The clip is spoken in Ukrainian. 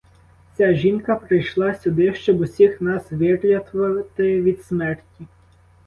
Ця жінка прийшла сюди, щоб усіх нас вирятувати від смерті?